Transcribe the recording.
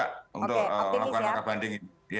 untuk melakukan langkah banding ini